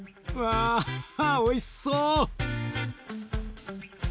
わおいしそう！